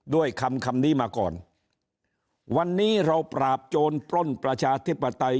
ด้วยคำคำนี้มาก่อนวันนี้เราปราบโจรปล้นประชาธิปไตย